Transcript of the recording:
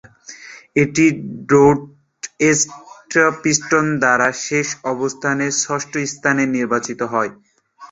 এটি Detroit Piston দ্বারা শেষ অবস্থানে, ষষ্ঠ স্থানে নির্বাচিত হয়।